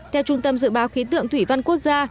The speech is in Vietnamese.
theo trung tâm dự báo khí tượng thủy văn quốc gia